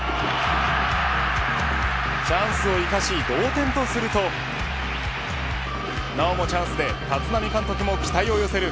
チャンスを生かし同点とするとなおもチャンスで立浪監督も期待を寄せる